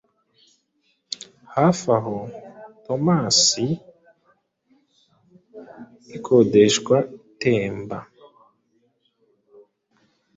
Hafi aho Tomas ikodeshwa itemba,